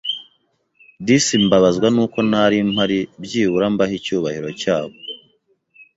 Disi mbabazwa n’uko ntari mpari byibura mbahe icyubahiro cyabo!